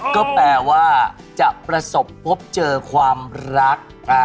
ก็แปลว่าจะประสบความรัก